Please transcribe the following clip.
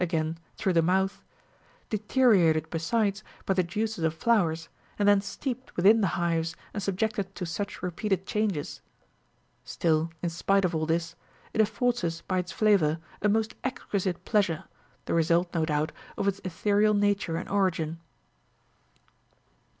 again through the mouth — deteriorated besides by the juices of flowers, and then steeped within the hives and subjected to such repeated changes — still, in spite of all this, it affords us by its flavour a most exquisite pleasure, the result, no doubt, of its aethereal nature and origin.